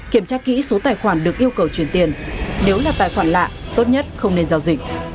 kiểm tra kỹ số tài khoản được yêu cầu chuyển tiền nếu là tài khoản lạ tốt nhất không nên giao dịch